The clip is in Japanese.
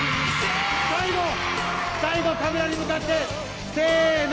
最後、カメラに向かってせーの！